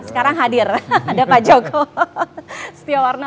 sekarang hadir ada pak joko setiawarno